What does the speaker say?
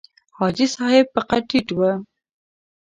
حاجي صاحب په قد ټیټ و.